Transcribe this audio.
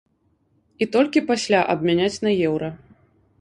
І толькі пасля абмяняць на еўра.